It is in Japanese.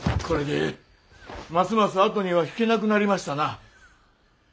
これでますます後には引けなくなりましたな。